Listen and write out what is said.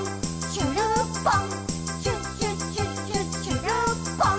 しゅるっぽん！」